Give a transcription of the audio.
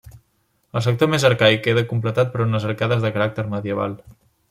El sector més arcaic queda completat per unes arcades de caràcter medieval.